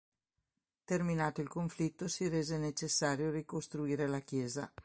Terminato il conflitto, si rese necessario ricostruire la chiesa.